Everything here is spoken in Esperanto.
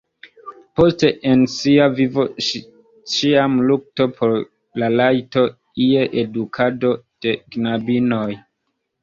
Poste en sia vivo ŝi ĉiam lukto por la rajto je edukado de knabinoj.